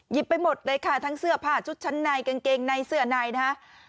ไปหมดเลยค่ะทั้งเสื้อผ้าชุดชั้นในกางเกงในเสื้อในนะฮะ